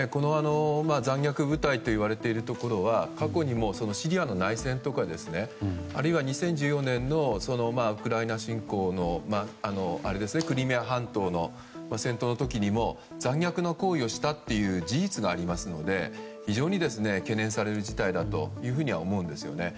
残虐部隊といわれているところは過去にもシリアの内戦とかあるいは２０１４年のウクライナ侵攻のクリミア半島の戦闘の時にも残虐な行為をしたという事実がありますので非常に懸念される事態だとは思うんですよね。